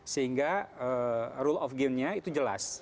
sehingga rule of game nya itu jelas